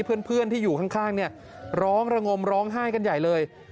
เพื่อนที่อยู่ข้างเนี่ยร้องระงมร้องไห้กันใหญ่เลย